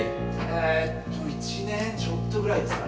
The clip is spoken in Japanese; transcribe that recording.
えっと１年ちょっとぐらいですかね？